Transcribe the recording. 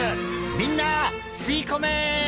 みんな吸い込め！